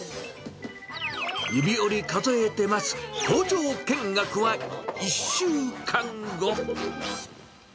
指折り数えてます、工場見学は１週間後。